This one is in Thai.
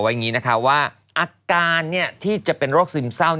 ไว้ว่าอาการที่จะเป็นโรคซึมเศร้า